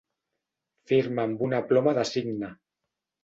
Firma amb una ploma de cigne.